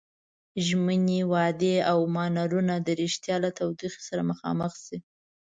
ژمنې، وعدې او مانورونه د ريښتيا له تودوخې سره مخامخ شي.